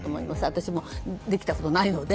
私もできたことないので。